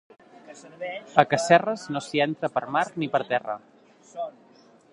A Casserres no s'hi entra per mar ni per terra.